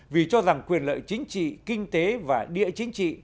vì cho rằng quyền lợi chính trị kinh tế và địa chính trị